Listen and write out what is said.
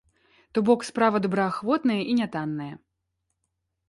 То бок, справа добраахвотная і нятанная.